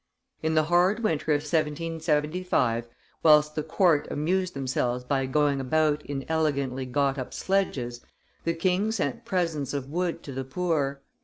In the hard winter of 1775, whilst the court amused themselves by going about in elegantly got up sledges, the king sent presents of wood to the poor.